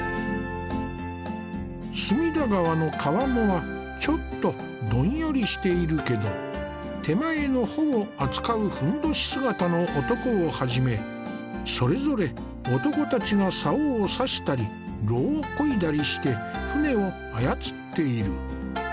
隅田川の川面はちょっとどんよりしているけど手前の帆を扱うふんどし姿の男をはじめそれぞれ男たちが棹を差したり櫓をこいだりして舟を操っている。